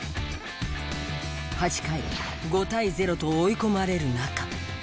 ８回５対０と追い込まれる中。